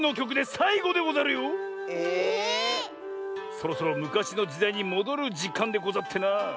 ⁉そろそろむかしのじだいにもどるじかんでござってな。